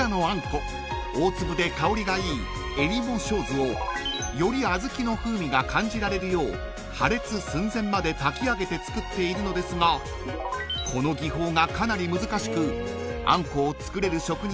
えりも小豆をより小豆の風味が感じられるよう破裂寸前まで炊き上げて作っているのですがこの技法がかなり難しく］